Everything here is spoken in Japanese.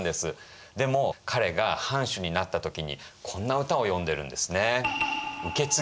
でも彼が藩主になった時にこんな歌を詠んでるんですね。